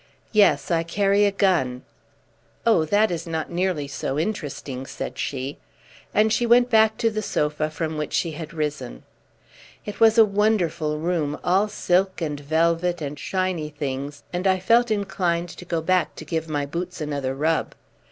"Yes, I carry a gun." "Oh, that is not nearly so interesting," said she. And she went back to the sofa from which she had risen. It was a wonderful room, all silk and velvet and shiny things, and I felt inclined to go back to give my boots another rub.